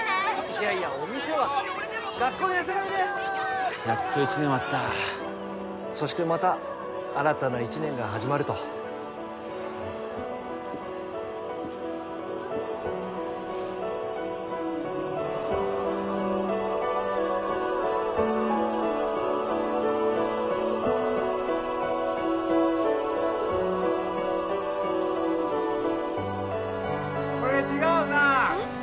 いやいやお店は学校に遊びにおいでやっと１年終わったそしてまた新たな１年が始まるとこれ違うなうん？